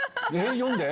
読んで！